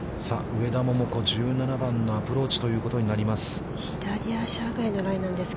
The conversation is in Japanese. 上田桃子、１７番のアプローチということになります。